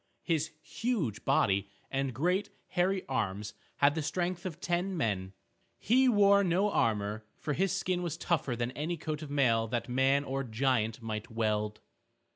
His huge body and great hairy arms had the strength of ten men. He wore no armor, for his skin was tougher than any coat of mail that man or giant might weld.